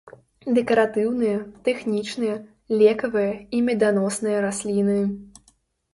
Дэкаратыўныя, тэхнічныя, лекавыя і меданосныя расліны.